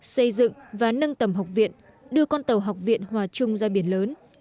xây dựng và nâng tầm học viện đưa con tàu học viện hòa trung ra biển lớn